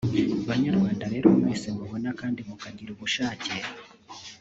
Banyarwanda rero mwese mubona kandi mukagira ubushake